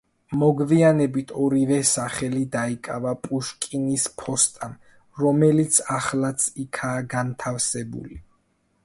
მოგვიანებით ორივე სახლი დაიკავა პუშკინის ფოსტამ, რომელიც ახლაც იქაა განთავსებული.